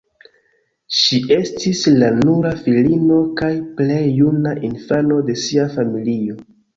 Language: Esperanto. Ŝi estis la nura filino kaj plej juna infano de sia familio.